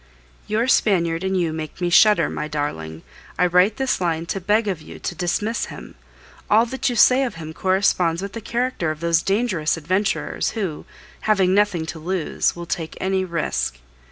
Your Spaniard and you make me shudder, my darling. I write this line to beg of you to dismiss him. All that you say of him corresponds with the character of those dangerous adventurers who, having nothing to lose, will take any risk.